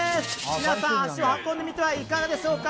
皆さん、足を運んでみてはいかがでしょうか！